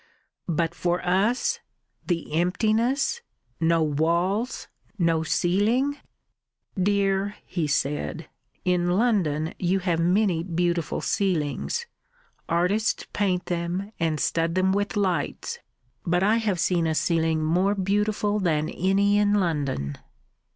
"But for us! The emptiness! No walls no ceiling!" "Dear," he said, "in London you have many beautiful ceilings. Artists paint them and stud them with lights. But I have seen a ceiling more beautiful than any in London...."